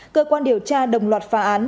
cơ quan điều tra đồng loạt phá án